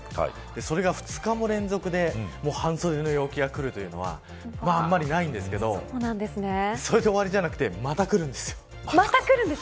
それが２日間連続で半袖の陽気がくるというのはあんまりないんですけどそれで終わりではなくまた来るんです。